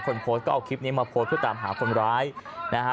คนโพสต์ก็เอาคลิปนี้มาโพสต์เพื่อตามหาคนร้ายนะฮะ